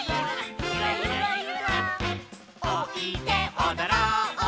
「おいでおどろう」